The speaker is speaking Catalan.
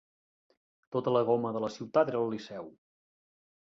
Tota la goma de la ciutat era al Liceu.